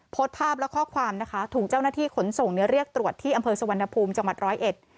โพสท์ภาพและข้อความถูกเจ้าหน้าที่ขนส่งเรียกตรวจที่อำเภอสวรรณภูมิจังหวัด๑๐๑